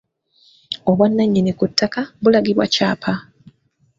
Obwannannyini ku ttaka bulagibwa kyapa.